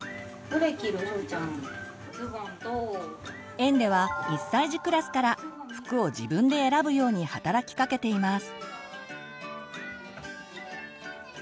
園では１歳児クラスから服を自分で選ぶように働きかけています。